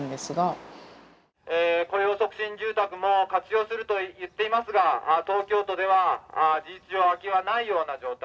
雇用促進住宅も活用すると言っていますが東京都では事実上空きはないような状態。